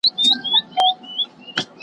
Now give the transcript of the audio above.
اوس د هغه مولوي ژبه ګونګۍ ده .